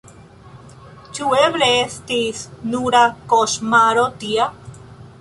Ĉu eble estis nura koŝmaro tia?